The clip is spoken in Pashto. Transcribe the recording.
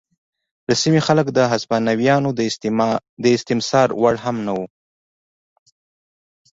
د سیمې خلک د هسپانویانو د استثمار وړ هم نه وو.